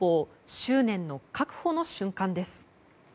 執念の確保の瞬間です。